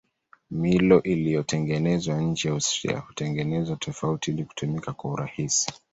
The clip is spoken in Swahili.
Milo iliyotengenezwa nje ya Australia hutengenezwa tofauti ili kutumika kwa urahisi.